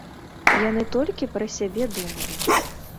Яны толькі пра сябе думалі!